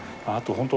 本当